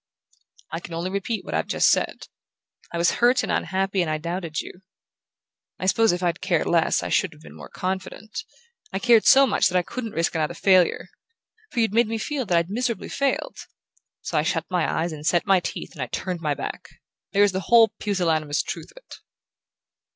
"I can only repeat what I've just said. I was hurt and unhappy and I doubted you. I suppose if I'd cared less I should have been more confident. I cared so much that I couldn't risk another failure. For you'd made me feel that I'd miserably failed. So I shut my eyes and set my teeth and turned my back. There's the whole pusillanimous truth of it!"